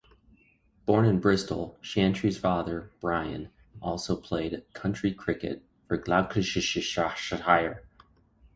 Born in Bristol, Shantry's father, Brian also played county cricket, for Gloucestershire.